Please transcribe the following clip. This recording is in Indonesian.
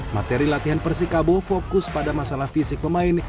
materi latihan persikabo fokus pada masalah fisik pemain